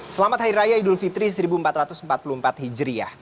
selamat hari raya idul fitri seribu empat ratus empat puluh empat hijriah